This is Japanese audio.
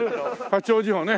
八王子をね。